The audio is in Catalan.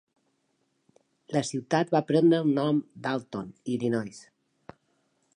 La ciutat va prendre el nom d"Alton, Illinois.